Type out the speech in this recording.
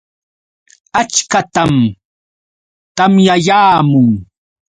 Achkatam tamyayaamun.